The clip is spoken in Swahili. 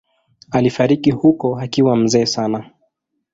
Alifariki huko akiwa mzee sana.